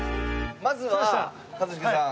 まずは一茂さん。